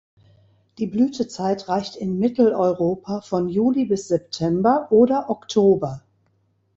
Die Blütezeit reicht in Mitteleuropa von Juli bis September oder Oktober.